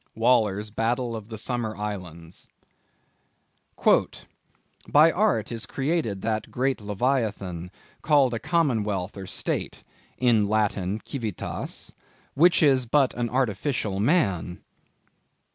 —Waller's Battle of the Summer Islands. "By art is created that great Leviathan, called a Commonwealth or State—(in Latin, Civitas) which is but an artificial man."